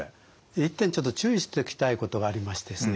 一点ちょっと注意しておきたいことがありましてですね